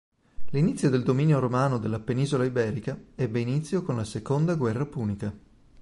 L'inizio del dominio romano della penisola iberica ebbe inizio con la seconda guerra punica.